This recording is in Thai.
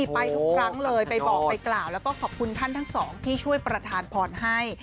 ไปทุกครั้งเลยไปบอกไปกล่าวแล้วก็ขอบคุณท่านทั้งสองที่ช่วยประธานพรให้